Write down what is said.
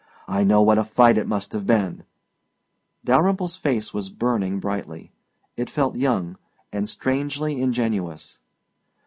I know what a fight it must have been " Dalyrimple's face was burning brightly. It felt young and strangely ingenuous.